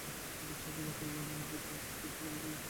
এই দেশের অধিবাসিগণ কোনদিনই যোদ্ধা নয়।